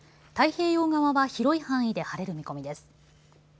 太平洋側は広い範囲で晴れる見込みです。